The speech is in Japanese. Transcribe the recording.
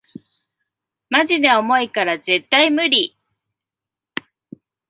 マジで重いから絶対ムリ